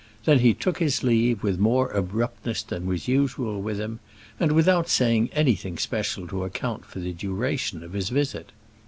Then he took his leave, with more abruptness than was usual with him, and without saying anything special to account for the duration of his visit.